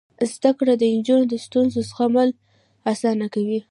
زده کړه د نجونو د ستونزو زغمل اسانه کوي.